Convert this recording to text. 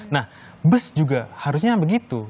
nah bus juga harusnya begitu